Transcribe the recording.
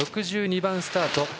６２番スタート